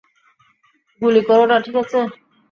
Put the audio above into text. গুলি করো না, ঠিক আছে?